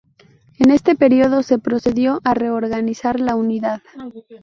En este periodo se procedió a reorganizar la unidad.